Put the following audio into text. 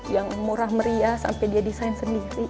yang murah meriah sampai dia desain sendiri